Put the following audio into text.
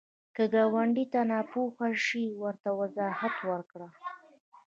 که ګاونډي ته ناپوهه شي، ورته وضاحت ورکړه